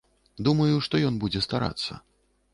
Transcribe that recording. Думаю, што ён будзе старацца.